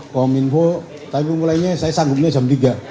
kominfo tapi mulainya saya sanggupnya jam tiga